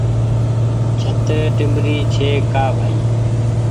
ڇت ٽيمرِي ڇي ڪا بهائي